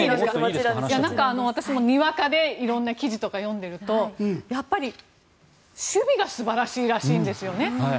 なんか私もにわかで色んな記事とかを読んでいると守備が素晴らしいらしいんですよね。